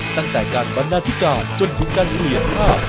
ตั้งแต่การบรรณาธิการจนถึงการเปลี่ยนภาพ